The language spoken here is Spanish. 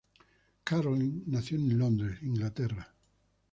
Caroline nació en Londres, Inglaterra.